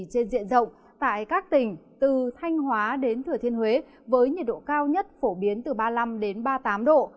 trên diện rộng tại các tỉnh từ thanh hóa đến thừa thiên huế với nhiệt độ cao nhất phổ biến từ ba mươi năm ba mươi tám độ